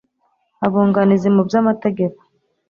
Abunganizi mu by amategeko